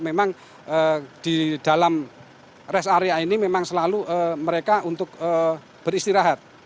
memang di dalam rest area ini memang selalu mereka untuk beristirahat